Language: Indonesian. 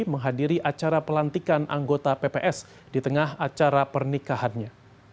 menghadiri acara pelantikan anggota pps di tengah acara pernikahannya